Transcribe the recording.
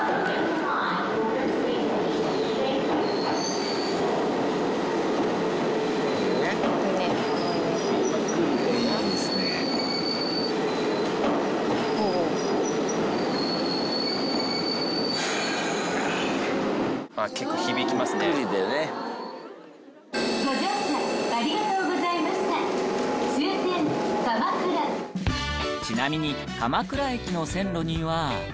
ちなみに鎌倉駅の線路には。